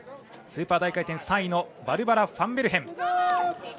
スーパー大回転、３位のバルバラ・ファンベルヘン。